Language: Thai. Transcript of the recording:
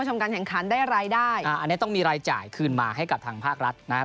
อันนี้ต้องมีรายจ่ายคืนมาให้กับทางภาครัฐนะครับ